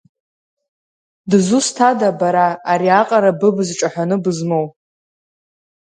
Дызусҭада, бара, ари аҟара быбз ҿаҳәаны бызмоу?